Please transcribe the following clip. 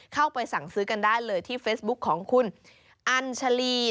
เข้าไปสั่งซื้อกันได้เลยที่เฟซบุ๊คของคุณอัญชาลี